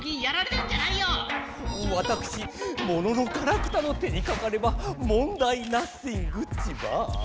わたくしモノノガラクタの手にかかればもんだいナッスィングッチバー。